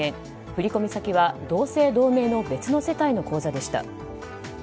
振り込み先は同姓同名の別の世帯の口座でした。